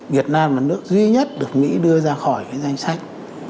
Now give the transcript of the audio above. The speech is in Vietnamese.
việt nam là nước duy nhất được mỹ đưa ra khỏi cái danh sách